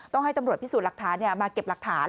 ให้ตำรวจพิสูจน์หลักฐานมาเก็บหลักฐาน